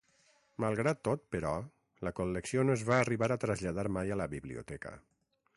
Malgrat tot, però, la col·lecció no es va arribar a traslladar mai a la biblioteca.